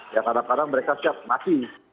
ya kadang kadang mereka siap mati